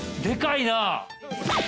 でかいな。